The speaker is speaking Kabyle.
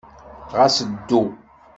Ɣas ddu.